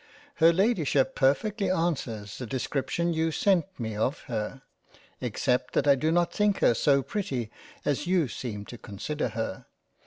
Her Ladyship perfectly answers the description you sent me of her, except that I do not think her so pretty as you seem to consider her.